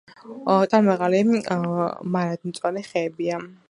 ტანმაღალი, მარადმწვანე ხეებია.